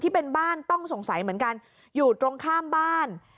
เป็นบ้านต้องสงสัยเหมือนกันอยู่ตรงข้ามบ้าน